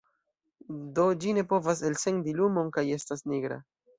Do ĝi ne povas elsendi lumon kaj estas nigra.